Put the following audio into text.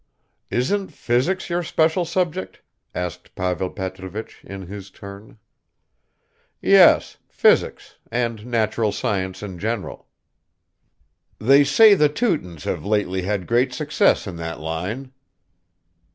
"Isn't physics your special subject?" asked Pavel Petrovich in his turn. "Yes, physics, and natural science in general." "They say the Teutons have lately had great success in that line."